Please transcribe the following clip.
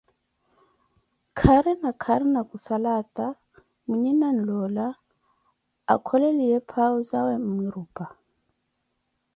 Khari khari khussala aata mwinhe nanlola akholeliye phau zawe mmwirupa